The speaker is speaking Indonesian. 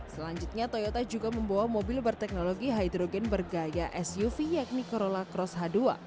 selanjutnya toyota juga membawa mobil berteknologi hydrogen bergaya suv yakni corola cross h dua